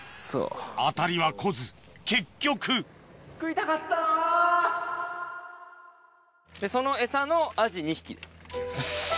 当たりは来ず結局そのエサのアジ２匹です。